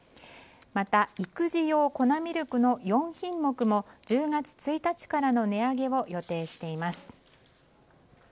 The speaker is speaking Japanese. また育児用粉ミルクの４品目も１０月１日からの値上げを予定しています。